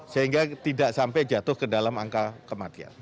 sehingga tidak sampai jatuh ke dalam angka kematian